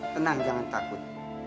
tenang jangan takut